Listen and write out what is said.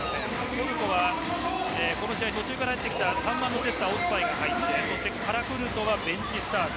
トルコはこの試合途中から入ってきた３番のセッター、オズバイそしてカラクルトはベンチスタート。